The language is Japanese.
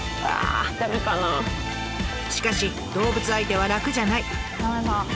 しかし動物相手は楽じゃない。